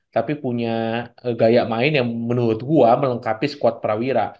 tapi punya gaya main yang menurut gua melengkapi squad prawira